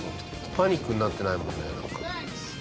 パニックになってないもんねなんか。